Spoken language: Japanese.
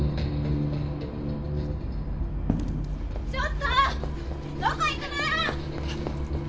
ちょっとどこ行くの！？